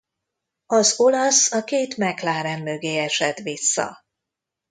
Az olasz a két McLaren mögé esett vissza.